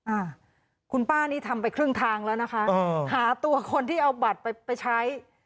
อ่าคุณป้านี่ทำไปครึ่งทางแล้วนะคะอ่าหาตัวคนที่เอาบัตรไปไปใช้